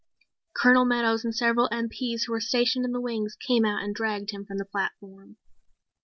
Colonel Meadows and several MPs who were stationed in the wings came out and dragged him from the platform.